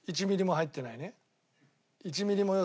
１ミリも要素入ってないね？